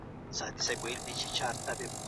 په لوی لاس ځانته کږې کړي سمي لاري.